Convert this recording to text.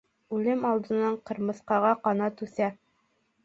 Үлем алдынан ҡырмыҫҡаға ҡанат үҫә.